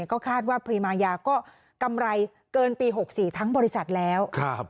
ก็คาดว่าพรีมายาก็กำไรเกินปี๖๔ทั้งบริษัทแล้ว